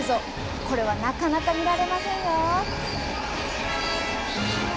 これはなかなか見られませんよ。